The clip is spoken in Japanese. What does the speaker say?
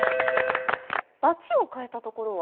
バチを替えたところは？